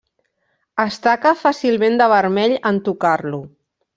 Es taca fàcilment de vermell en tocar-lo.